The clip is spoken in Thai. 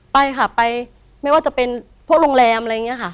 ไปค่ะไปไม่ว่าจะเป็นพวกโรงแรมอะไรอย่างนี้ค่ะ